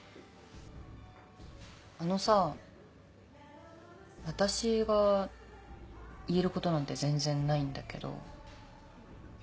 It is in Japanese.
あのさぁ私が言えることなんて全然ないんだけど。